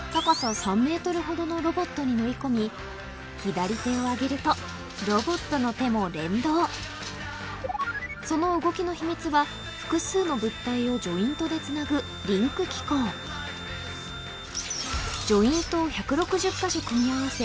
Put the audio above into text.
ほどのロボットに乗り込み左手を上げるとロボットの手も連動その動きの秘密は複数の物体をジョイントでつなぐリンク機構組み合わせ